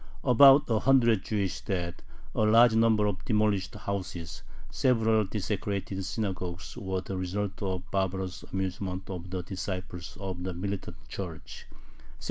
About a hundred Jewish dead, a large number of demolished houses, several desecrated synagogues, were the result of the barbarous amusement of the disciples of the militant Church (1664).